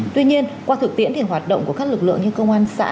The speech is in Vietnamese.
tuy nhiên qua thực tiễn thì hoạt động của các lực lượng như công an xã